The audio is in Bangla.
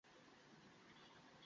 কাঁদছিস নাকি, রীড?